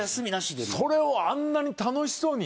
それをあんなに楽しそうに。